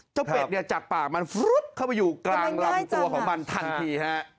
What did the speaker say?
เจ้าเป็ดเนี่ยจากปากมันกลางลำตัวของมันทันที